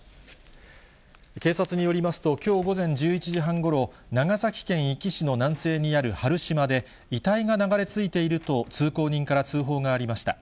警察によりますと、きょう午前１１時半ごろ、長崎県壱岐市の南西にある原島で、遺体が流れ着いていると、通行人から通報がありました。